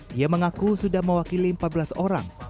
dia mengaku sudah mewakili empat belas orang